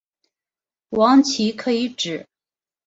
王祺可以指